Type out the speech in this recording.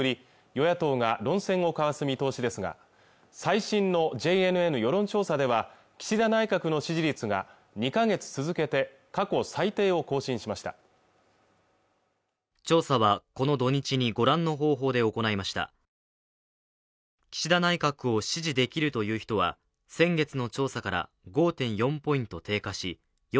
与野党が論戦を交わす見通しですが最新のＪＮＮ世論調査では岸田内閣の支持率が２か月続けて過去最低を更新しました調査はこの土日にご覧の方法で行いました低迷する内閣支持率に政府与党は頭を悩ませています